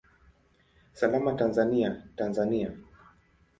Salama Tanzania, Tanzania!